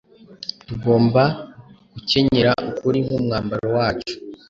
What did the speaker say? Tugomba gukenyera ukuri nkumwambaro wacu